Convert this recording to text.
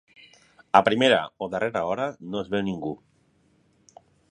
A primera o darrera hora no es veu ningú.